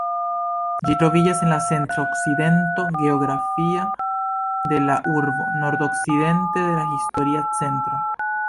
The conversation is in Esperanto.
Ĝi troviĝas en la centr-okcidento geografia de la urbo, nordokcidente de la historia centro.